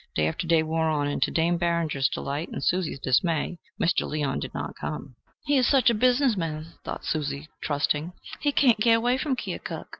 Day after day wore on, and, to Dame Barringer's delight and Susie's dismay, Mr. Leon did not come. "He is such a businessman," thought trusting Susan, "he can't get away from Keokuk.